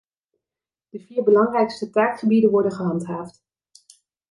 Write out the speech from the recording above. De vier belangrijkste taakgebieden worden gehandhaafd.